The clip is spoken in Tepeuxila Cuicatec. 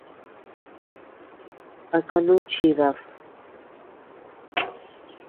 ¿A kanú chidad?